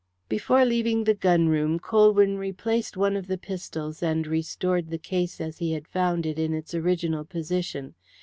Before leaving the gun room Colwyn replaced one of the pistols and restored the case as he had found it to its original position.